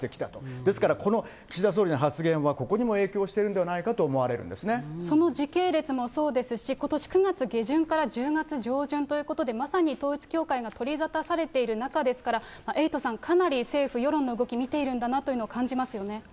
ですから、この岸田総理の発言はここにも影響しているんではないかと思われその時系列もそうですし、ことし９月下旬から１０月上旬ということで、まさに統一教会が取り沙汰されている中ですから、エイトさん、かなり政府、世論の動き、見ているんだなというのを感じますよね。